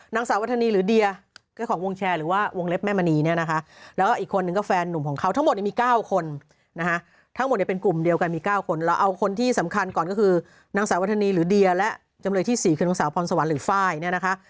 นางสาววัฒนีหรือเดียเจ้าของวงแชร์หรือว่าวงเล็บแม่มณีเนี่ยนะคะแล้วก็อีกคนนึงก็แฟนหนุ่มของเขาทั้งหมดเนี่ยมี๙คนนะคะทั้งหมดเนี่ยเป็นกลุ่มเดียวกันมี๙คนเราเอาคนที่สำคัญก่อนก็คือนางสาววัฒนีหรือเดียและจำเลยที่๔คือนางสาวพรสวรรค์หรือไฟล์เนี่ยนะคะ